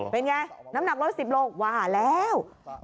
เป็นไงน้ำหนักลด๑๐โลกว่าแล้ว